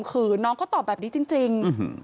คือน้องเขาตอบแบบนี้จริง